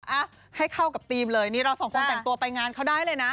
อ่ะให้เข้ากับทีมเลยนี่เราสองคนแต่งตัวไปงานเขาได้เลยนะ